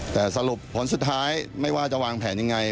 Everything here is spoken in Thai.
แต่สรุปผลสุดท้ายไม่ว่าจะวางแผนยังไง